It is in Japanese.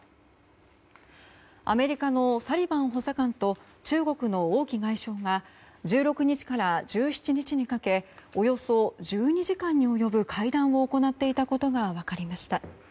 アメリカのサリバン補佐官と中国の王毅外相が１６日から１７日にかけおよそ１２時間に及ぶ会談を行っていたことが分かりました。